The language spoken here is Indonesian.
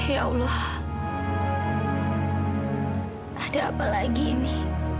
ya allah ada apa lagi ini